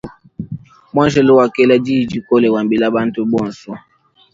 Muanjelo wakela diyi dikole wambila bantu bonso.